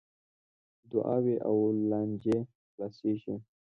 دعاوې او لانجې خلاصیږي .